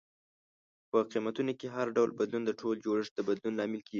په قیمتونو کې هر ډول بدلون د ټول جوړښت د بدلون لامل کیږي.